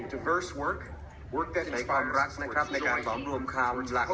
ก็แน่นอนนะคะครับครู